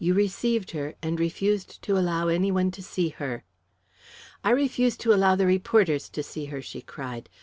You received her and refused to allow any one to see her." "I refused to allow the reporters to see her!" she cried.